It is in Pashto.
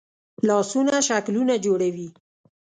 لاسونه شکلونه جوړوي